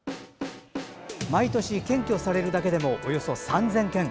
毎年、検挙されるだけでもおよそ３０００件。